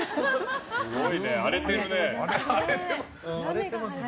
すごいね、荒れてるね。